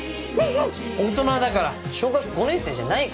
大人だから小学校５年生じゃないから。